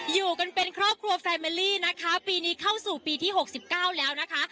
อยู่กันเป็นครอบครัวแฟเมลลี่นะคะปีนี้เข้าสู่ปีที่๖๙แล้วนะคะ